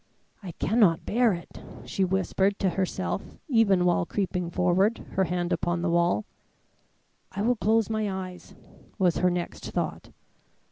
"I cannot bear it," she whispered to herself even while creeping forward, her hand upon the wall. "I will close my eyes" was her next thought.